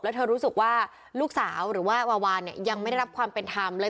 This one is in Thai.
แล้วเธอรู้สึกว่าลูกสาวหรือว่าวาวานเนี่ยยังไม่ได้รับความเป็นธรรมเลย